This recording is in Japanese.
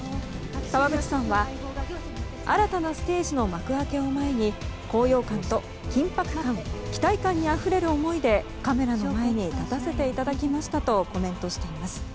沢口さんは新たなステージの幕開けを前に高揚感と緊迫感期待感にあふれる思いでカメラの前に立たせていただきましたとコメントしています。